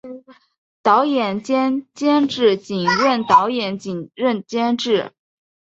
导演兼监制仅任导演仅任监制